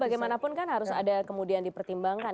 bagaimanapun kan harus ada kemudian dipertimbangkan